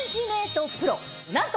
なんと！